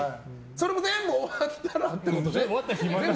それも全部終わったらってことですよね。